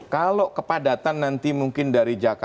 kalau kepadatan nanti mengurangkan